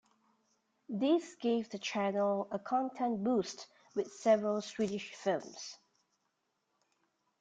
This gave the channel a content boost with several Swedish films.